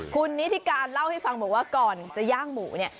คุณนิธิการเล่าให้ฟังบอกว่าก่อนจะย่างหมูเนี่ย